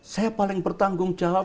saya paling bertanggung jawab